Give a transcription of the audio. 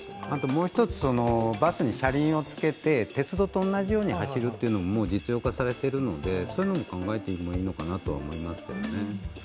もう一つ、バスに車輪をつけて鉄道と同じように走るというのも実用化されているのでそういうのも考えてもいいのかなと思いますけどね。